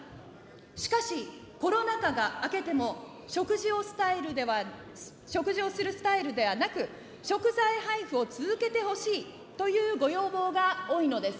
しかしコロナ禍が明けても、食事をするスタイルではなく、食材配布を続けてほしいというご要望が多いのです。